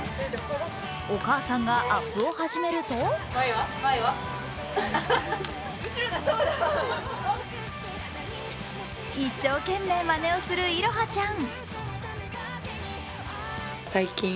お母さんがアップを始めると一生懸命まねをする彩葉ちゃん。